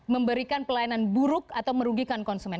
memberikan pelayanan buruk atau merugikan konsumen